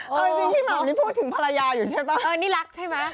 พี่หม่ำนี่พูดถึงภรรยาอยู่ใช่ปะเออนี่รักใช่มั้ย